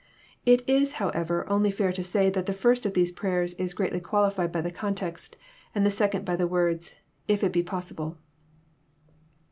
It is, however, only fair to say that the first of these prayers is greatly qaalified by the context, and the second by the words, '^ If it be possible."